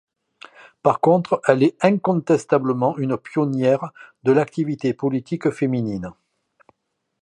Par contre, elle est incontestablement une pionnière de l’activité politique féminine.